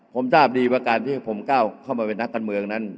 ผมทราบดีว่าการที่ผมก้าวเข้ามาเป็นนักการเมืองนั้น